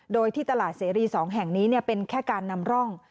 โดยที่ตลาดเสรี๒แห่งนี้เป็นแค่การนำร่อง